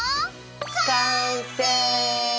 完成！